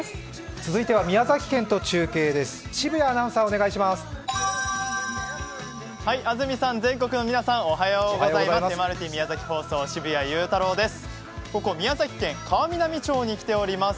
続いては宮崎県と中継です。